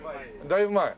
だいぶ前？